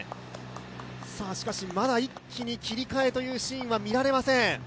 しかしまだ一気に切り替えというシーンは見られなせん。